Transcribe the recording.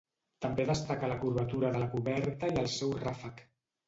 També destaca la curvatura de la coberta i el seu ràfec.